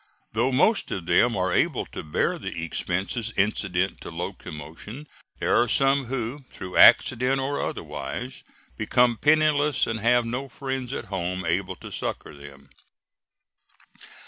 Though most of them are able to bear the expenses incident to locomotion, there are some who, through accident or otherwise, become penniless, and have no friends at home able to succor them.